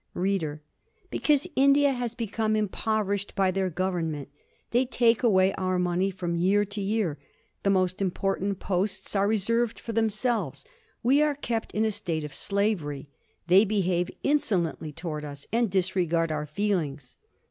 READER: Because India has become impoverished by their government. They take away our money from year to year. The most important posts are reserved for themselves. We are kept in a state of slavery. They behave insolently towards us, and disregard our feelings.